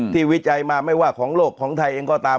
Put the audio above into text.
วิจัยมาไม่ว่าของโลกของไทยเองก็ตาม